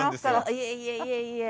いえいえいえいえ。